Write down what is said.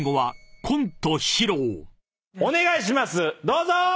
どうぞ！